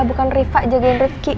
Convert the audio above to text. bukan rifah jagain rifki